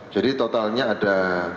jadi totalnya ada